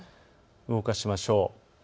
動かしましょう。